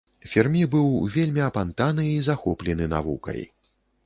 Фермі быў вельмі апантаны і захоплены навукай.